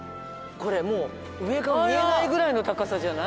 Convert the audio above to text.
これもう上が見えないぐらいの高さじゃない？